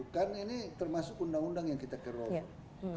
kan ini termasuk undang undang yang kita carry over